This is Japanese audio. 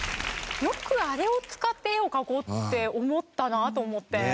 よくあれを使って絵を描こうって思ったなと思って。